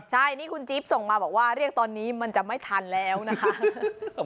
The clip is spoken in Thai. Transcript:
ใช่นี่คุณจิ๊บส่งมาบอกว่าเรียกตอนนี้มันจะไม่ทันแล้วนะคะ